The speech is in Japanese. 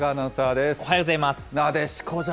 おはようございます。